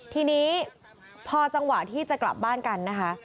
ทีนี้พอจังหวะที่จะกลับบ้านกันนะคะ